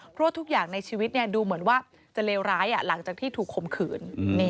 เพราะว่าทุกอย่างในชีวิตดูเหมือนว่าจะเลวร้ายหลังจากที่ถูกข่มขืน